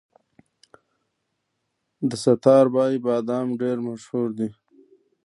د ستاربای بادام ډیر مشهور دي.